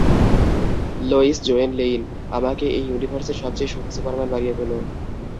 Lois Joanne Lane, আমাকে এই ইউনিভার্সের সবচেয়ে সুখী সুপারম্যান বানিয়ে তোলো।